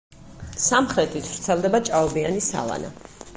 სამხრეთით ვრცელდება ჭაობიანი სავანა.